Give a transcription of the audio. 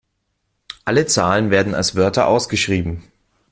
Alle Zahlen werden als Wörter ausgeschrieben.